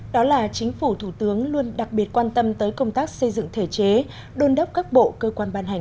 đó là chính phủ thủ tướng luôn đặc biệt quan tâm tới công tác xây dựng thể chế đôn đốc các bộ cơ quan ban hành